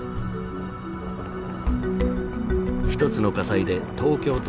１つの火災で東京都